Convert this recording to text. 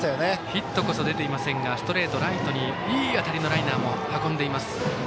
ヒットこそ出ていませんがストレートをライトへいい当たりのライナーも運んでいます。